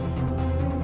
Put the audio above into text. aku mau ke rumah